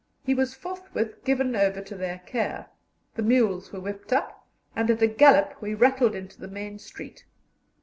He was forthwith given over to their care, the mules were whipped up, and at a gallop we rattled into the main street.